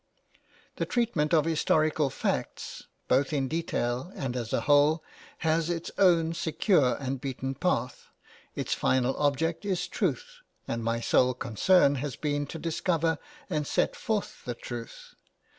The treatment of historical facts, both in detail and as a whole, has its own secure and beaten path. Its final object is truth, and my sole concern has been to discover and set forth the truth.